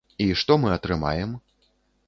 І што мы атрымаем?